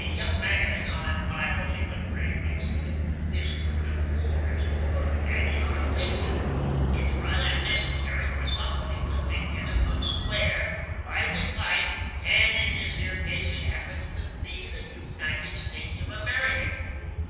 Young man," I mildly but gravely sed, "this crooil war is over, and you're lickt! It's rather necessary for sumbody to lick in a good square, lively fite, and in this 'ere case it happens to be the United States of America.